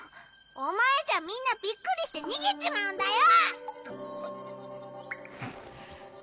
お前じゃみんなびっくりして逃げちまうんだよ！